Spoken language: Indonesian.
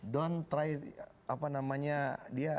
don't try apa namanya dia